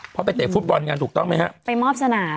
เพราะไปเตะฟุตบอลกันถูกต้องไหมฮะ